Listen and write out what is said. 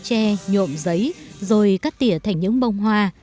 tre nhộm giấy rồi cắt tỉa thành những bông hoa